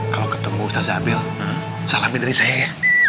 kalau ketemu ustadz zabil salamin dari saya ya